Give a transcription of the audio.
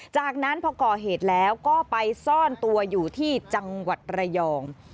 จากนั้นพอก่อเหตุแล้วก็ไปซ่อนตัวอยู่ที่จังหวัดระยอง